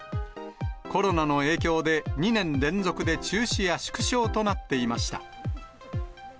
コロナの影響で、２年連続で中止や縮小となっていました。